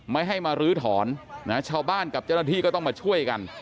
ไม่ให้มาลื้อถอนนะชาวบ้านกับเจ้าหน้าที่ก็ต้องมาช่วยกัน